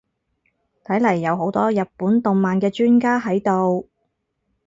睇嚟有好多日本動漫嘅專家喺度